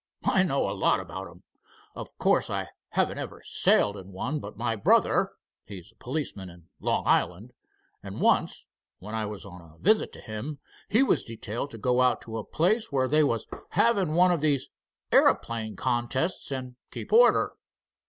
"I know a lot about 'em. Of course I haven't ever sailed in one, but my brother, he's a policeman in Long Island, and once, when I was on a visit to him, he was detailed to go out to a place where they was havin' one of these airyplane contests, and keep order.